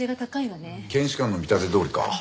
検視官の見立てどおりか。